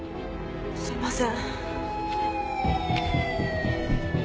すいません。